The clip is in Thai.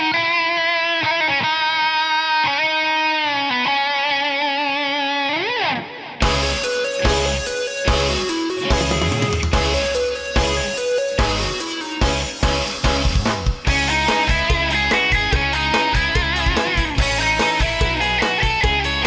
มคสวัสดีครับ